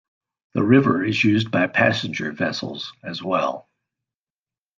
The river is used by passenger vessels as well.